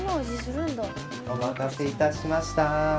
・お待たせいたしました。